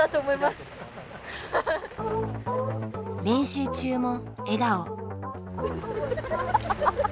練習中も笑顔。